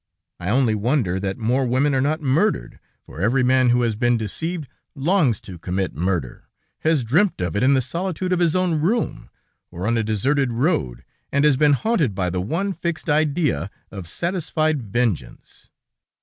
I only wonder that more women are not murdered, for every man who has been deceived longs to commit murder, has dreamt of it in the solitude of his own room, or on a deserted road, and has been haunted by the one fixed idea of satisfied vengeance.